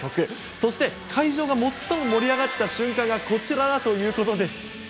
そして会場が最も盛り上がった瞬間がこちらだということです。